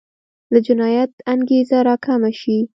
د جنایت انګېزه راکمه شي.